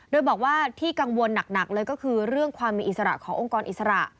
โดยบอกว่าที่กังวลหนักเลยก็คือเรื่องความมีอิสระขององค์กรอิสระ